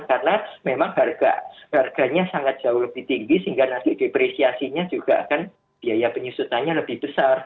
karena memang harganya sangat jauh lebih tinggi sehingga nanti depresiasinya juga akan biaya penyusutannya lebih besar